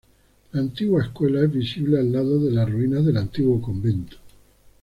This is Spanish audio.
La antigua escuela es visible al lado de las ruinas del antiguo convento.